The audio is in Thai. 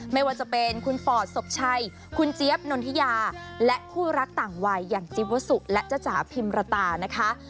ไม่ว่าจะเป็นคุณปอดศพชัยคุณเจี๊ยบนนทิยาและคู่รักต่างวัยอย่างจิ๊บวสุและจ้าจ๋าพิมรตานะคะ